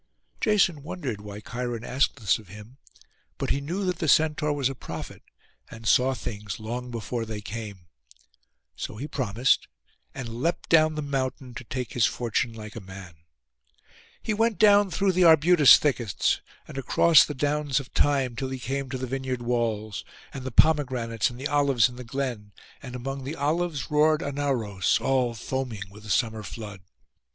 Jason wondered why Cheiron asked this of him; but he knew that the Centaur was a prophet, and saw things long before they came. So he promised, and leapt down the mountain, to take his fortune like a man. He went down through the arbutus thickets, and across the downs of thyme, till he came to the vineyard walls, and the pomegranates and the olives in the glen; and among the olives roared Anauros, all foaming with a summer flood.